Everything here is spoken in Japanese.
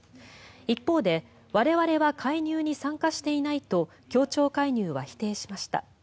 一方で我々は介入に参加していないと協調介入は否定しました。